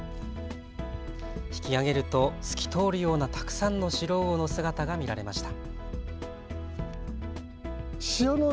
引き上げると透き通るようなたくさんのシロウオの姿が見られました。